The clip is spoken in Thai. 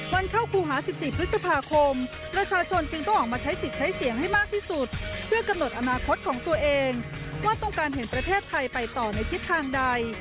เข้าครูหา๑๔พฤษภาคมประชาชนจึงต้องออกมาใช้สิทธิ์ใช้เสียงให้มากที่สุดเพื่อกำหนดอนาคตของตัวเองว่าต้องการเห็นประเทศไทยไปต่อในทิศทางใด